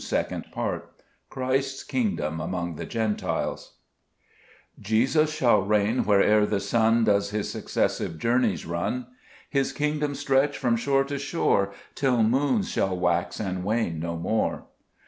] J 7 fl>salm Ixxil Second part, Gbrist's ftftidDom among tbe Gentiles, JESUS shall reign where'er the sun Does his successive journeys run ; His kingdom stretch from shore to shore Till moons shall wax and wane no more.